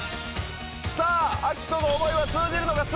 さあアキトの思いは通じるのか「つ」